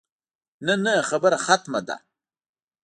نه نه خبره ختمه ده.